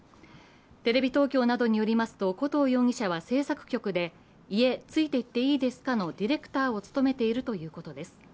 テレビ東京などによりますと古東容疑者は制作局で「家、ついて行ってイイですか？」のディレクターを務めているということです。